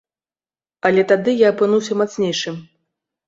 Але тады я апынуўся мацнейшым.